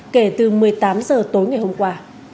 kể từ một mươi tám h tối ngày hôm qua